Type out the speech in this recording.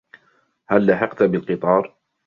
هل لحقت بالقطار؟